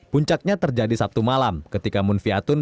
puncaknya terjadi sabtu malam ketika mun fiatun